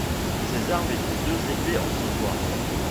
Ses armes étaient deux épées en sautoir.